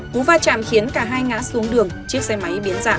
cú va chạm khiến cả hai ngã xuống đường chiếc xe máy biến dạng